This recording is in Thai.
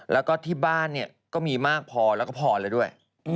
แล้วก็ที่บ้านเนี่ยก็มีมากพอแล้วก็พอแล้วด้วย